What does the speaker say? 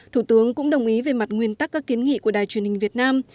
thủ tướng cũng đồng ý về mặt nguyên tắc các kiến nghị của đài truyền hình việt nam